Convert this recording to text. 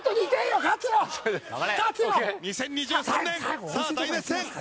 ２０２３年さあ大熱戦！